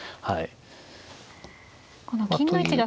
はい。